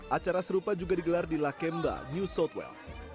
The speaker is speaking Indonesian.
acara serupa juga digelar di lakemba new south wales